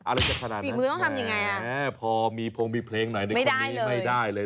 อะไรจะขนาดนั้นแหละแหละพอมีเพลงหน่อยในความนี้ไม่ได้เลย